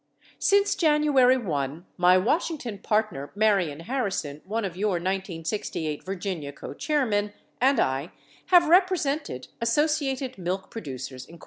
Since January 1, my Washington partner Marion Harrison (one of your 1968 Virginia cochairmen) and I have repre sented Associated Milk Producers, Inc.